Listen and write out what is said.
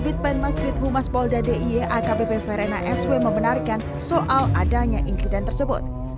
bitpeng masvid humas polda die akbp verena sw membenarkan soal adanya insiden tersebut